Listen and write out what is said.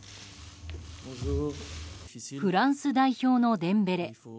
フランス代表のデンベレ。